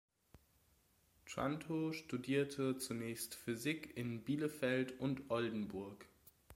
Trantow studierte zunächst Physik in Bielefeld und Oldenburg.